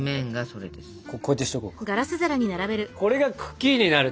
それが茎になる。